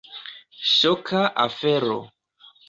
Ŝoka afero.